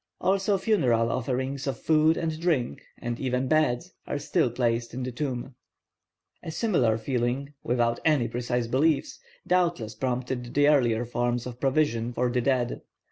Also funeral offerings of food and drink, and even beds, are still placed in the tombs. A similar feeling, without any precise beliefs, doubtless prompted the earlier forms of provision for the dead.